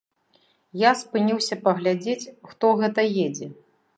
Я спыніўся паглядзець, хто гэта едзе.